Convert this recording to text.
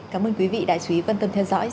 cảm ơn quý vị đã chú ý quan tâm theo dõi